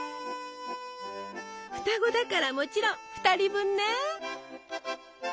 双子だからもちろん２人分ね！